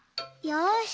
よし。